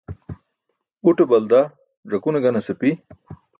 Uṭe balda ẓakune ganas api.